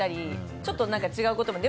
ちょっと、違うことで。